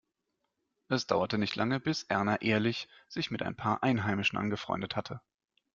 Es dauerte nicht lange, bis Erna Ehrlich sich mit ein paar Einheimischen angefreundet hatte.